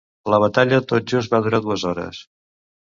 La batalla tot just va durar dues hores.